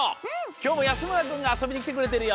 きょうも安村くんがあそびにきてくれてるよ。